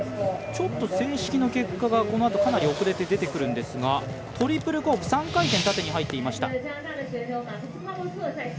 正式な結果がこのあとかなり遅れて出てくるんですがトリプルコーク３回転、縦に入っていました。